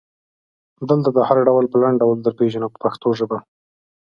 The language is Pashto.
دلته دا هر ډول په لنډ ډول درپېژنو په پښتو ژبه.